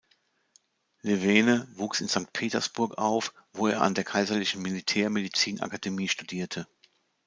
Levene wuchs in Sankt Petersburg auf, wo er an der Kaiserlichen Militär-Medizinakademie studierte.